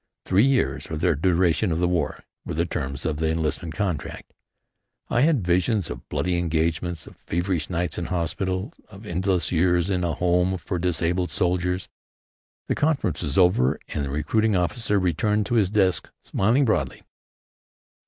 "Three years or the duration of the war" were the terms of the enlistment contract. I had visions of bloody engagements, of feverish nights in hospital, of endless years in a home for disabled soldiers. The conference was over, and the recruiting officer returned to his desk, smiling broadly.